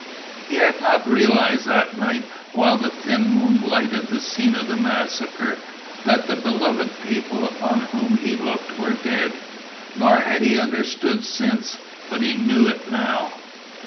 He had not realized, that night while the thin moon lighted the scene of the massacre, that the beloved people upon whom he looked were dead. Nor had he understood since. But he knew it now.